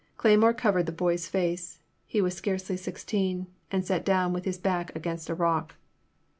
Cleymore cov ered the boy*s face — he was scarcely sixteen — and sat down with his back against a rock.